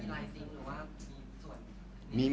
มีอะไรจริงหรือว่ามีส่วน